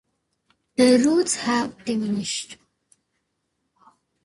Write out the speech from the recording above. The routes have diminished.